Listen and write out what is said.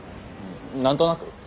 何となく。